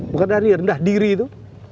bukan dari rendah diri itu